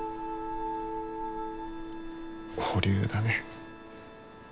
保留だね。